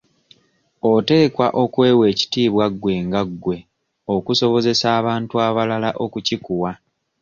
Oteekwa okwewa ekitiibwa gwe nga gwe okusobozesa abantu abalala okukikuwa.